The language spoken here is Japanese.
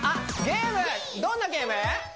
ゲームどんなゲーム？